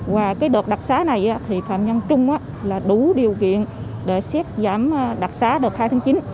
và đợt đặc sái này thì phạm nhân trung là đủ điều kiện để xét giảm đặc sái đợt hai tháng chín